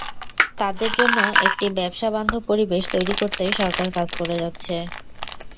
তাঁদের জন্য একটি ব্যবসাবান্ধব পরিবেশ তৈরি করতে সরকার কাজ করে যাচ্ছে।